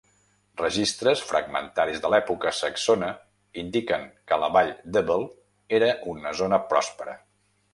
Registres fragmentaris de l'època saxona indiquen que la vall d'Ebble era una zona pròspera.